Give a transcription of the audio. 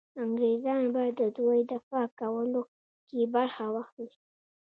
انګرېزان به د دوی دفاع کولو کې برخه واخلي.